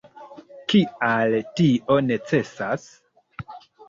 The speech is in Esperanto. Kial tio necesas?